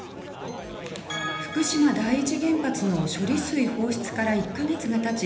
福島第一原発の処理水放出から１か月がたち